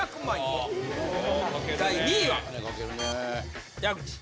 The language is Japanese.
第２位は。